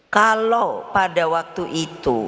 kalau pada waktu itu